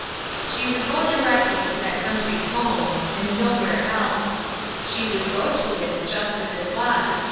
She would go directly to that country home, and nowhere else She would go to it just as it was.